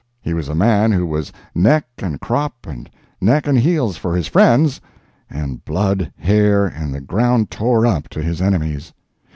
He was a man who was neck and crop and neck and heels for his friends, and blood, hair and the ground tore up to his enemies.